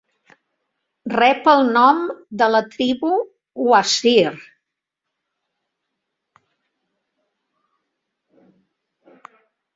Rep el nom de la tribu Wazir.